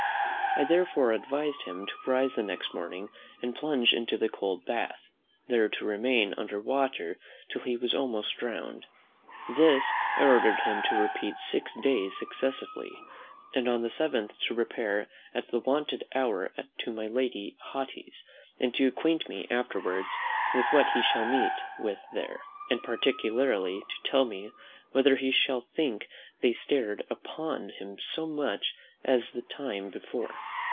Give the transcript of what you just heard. I therefore advised him to rise the next morning, and plunge into the cold bath, there to remain under water till he was almost drowned. This I ordered him to repeat six days successively; and on the seventh to repair at the wonted hour to my Lady Haughty's, and to acquaint me afterwards with what he shall meet with there: and particularly to tell me, whether he shall think they stared upon him so much as the time before.